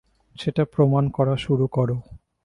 সেটা প্রমাণ করা শুরু করো!